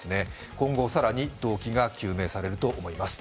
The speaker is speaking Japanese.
今後更に動機が究明されると思います。